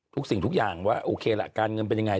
สิ่งทุกอย่างว่าโอเคละการเงินเป็นยังไง